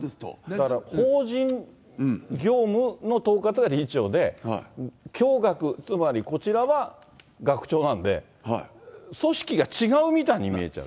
だから法人業務の統括が理事長で、教学、つまりこちらは学長なんで、組織が違うみたいに見えちゃう。